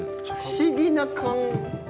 不思議な感覚。